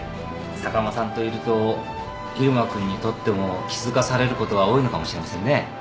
坂間さんといると入間君にとっても気付かされることが多いのかもしれませんね。